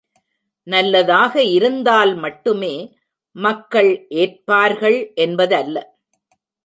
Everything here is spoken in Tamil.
நல்லதாக இருந்தால் மட்டுமே மக்கள் ஏற்பார்கள் என்பதல்ல.